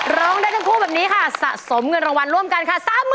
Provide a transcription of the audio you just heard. ร้องได้ทั้งคู่แบบนี้ค่ะสะสมเงินรางวัลร่วมกันค่ะ